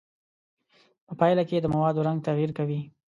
په پایله کې د موادو رنګ تغیر کوي.